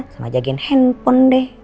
sama jagain handphone deh